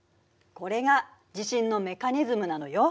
これが地震のメカニズムなのよ。